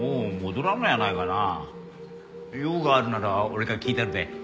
用があるなら俺が聞いたるで。